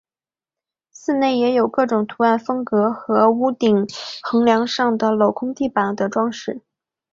寺内也有各种图案风格和在屋顶横梁上画的镂空地板的装饰。